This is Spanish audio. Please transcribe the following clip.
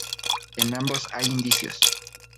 En ambos hay indicios.